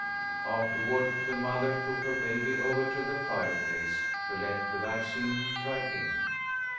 Afterward the mother took her baby over to the fireplace to let the vaccine dry in.